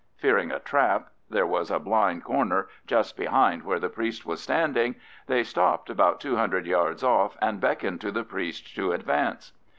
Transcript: Fearing a trap—there was a blind corner just behind where the priest was standing—they stopped about two hundred yards off and beckoned to the priest to advance.